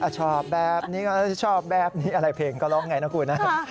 ชอบแบบนี้ชอบแบบนี้อะไรเพลงก็ร้องไงนะคุณนะ